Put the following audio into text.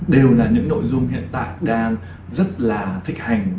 đều là những nội dung hiện tại đang rất là thích hành